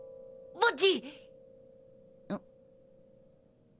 ボッジ！